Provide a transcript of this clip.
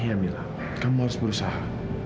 iya mila kamu harus berusaha